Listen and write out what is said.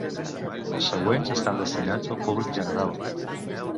Els següents estan destinats al públic general.